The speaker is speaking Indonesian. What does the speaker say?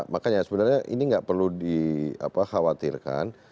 makanya sebenarnya ini nggak perlu dikhawatirkan